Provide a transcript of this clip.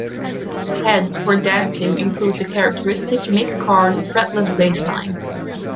"Heads We're Dancing" includes a characteristic Mick Karn fretless bassline.